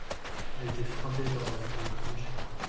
J'ai été frappé par leurs opinions tranchés.